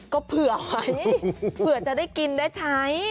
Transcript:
ก็เผื่อไว้เผื่อจะได้กินได้ใช้